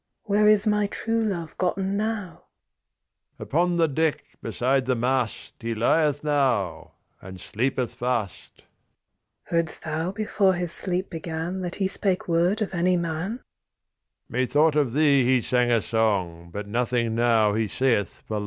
Where is my true love gotten now? THE RAVEN Upon the deck beside the mast He lieth now, and sleepeth fast. THE KING'S DAUGHTER Heard'st thou before his sleep began That he spake word of any man? THE RAVEN Methought of thee he sang a song, But nothing now he saith for long.